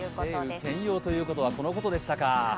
晴雨兼用というのはこのことでしたか。